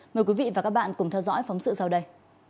mời quý vị và các bạn cùng theo dõi phóng sự sau đây